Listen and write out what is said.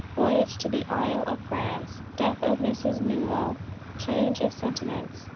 VOYAGE TO THE ISLE OF FRANCE. DEATH OF MRS. NEWELL. CHANGE OF SENTIMENTS.